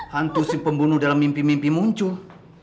hantu si pembunuh dalam mimpi mimpi muncul